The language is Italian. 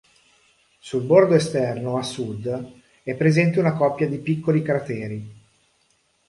Sul bordo esterno a sud è presente una coppia di piccoli crateri.